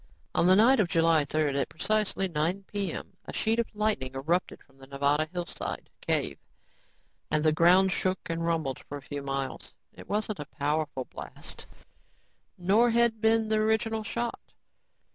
On the night of July 3rd, at precisely 9:00 p.m., a sheet of light erupted from the Nevada hillside cave and the ground shook and rumbled for a few miles. It wasn't a powerful blast, nor had been the original shot.